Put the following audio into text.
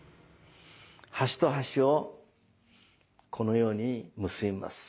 端と端をこのように結びます。